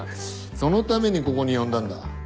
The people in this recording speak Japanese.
そのためにここに呼んだんだ。